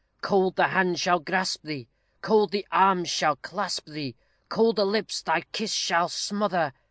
Cold the hand shall grasp thee, Cold the arms shall clasp thee, Colder lips thy kiss shall smother!